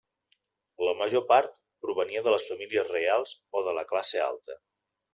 La major part provenia de les famílies reials o de la classe alta.